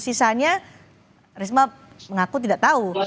sisanya risma mengaku tidak tahu